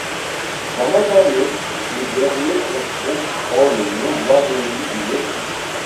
La même année, le dernier tronçon prend le nom d'avenue du Mexique.